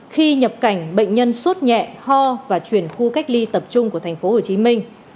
khi nhập cảnh bệnh nhân suốt nhẹ ho và chuyển khu cách ly tập trung của thành phố hồ chí minh